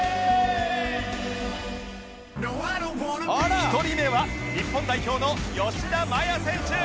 １人目は日本代表の吉田麻也選手